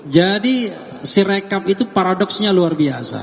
jadi sireka itu paradoksnya luar biasa